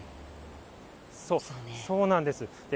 そうなんです。